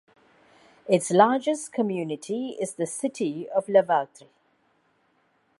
Its largest community is the city of Lavaltrie.